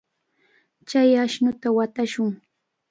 Chay ashnuta watashun.